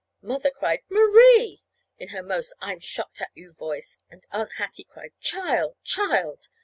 Mother cried, "Marie!" in her most I'm shocked at you voice; and Aunt Hattie cried, "Child child!"